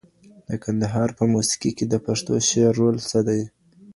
د کندهار په موسيقۍ کي د پښتو شعر رول څه دی؟